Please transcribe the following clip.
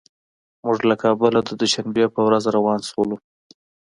موږ له کابله د دوشنبې په ورځ روان شولو.